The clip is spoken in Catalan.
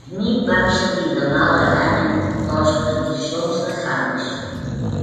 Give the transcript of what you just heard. Smith va accedir de mala gana a les peticions de Harris.